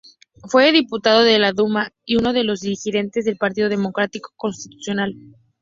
Fue diputado de la Duma y uno de los dirigentes del Partido Democrático Constitucional.